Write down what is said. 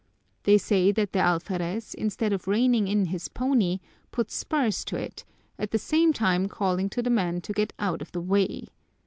They say that the alferez, instead of reining in his pony, put spurs to it, at the same time calling to the man to get out of the way.